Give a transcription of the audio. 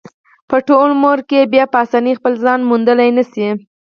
په ټول عمر کې بیا په اسانۍ خپل ځان موندلی نشي.